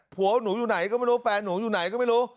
ผัวหนูอยู่ไหนก็ไม่รู้แฟนหนูอยู่ไหนก็ไม่รู้